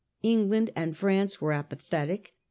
England and France were apathetic.